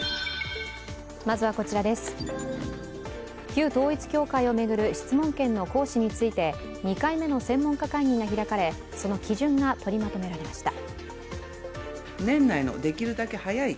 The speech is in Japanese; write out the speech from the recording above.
旧統一教会を巡る質問権の行使について２回目の専門家会議が開かれその基準が取りまとめられました。